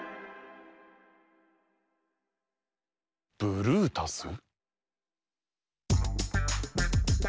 ブルータス。